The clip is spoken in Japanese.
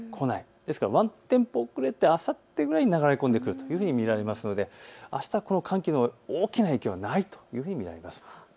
ですからワンテンポ遅れてあさってぐらいに流れ込んでくるというふうに見られますのであしたはこの寒気の大きな影響はないというふうに見られます。